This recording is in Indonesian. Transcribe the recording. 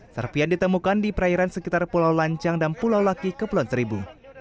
serpian ditemukan di perairan sekitar pulau lancang dan pulau laki kepulauan seribu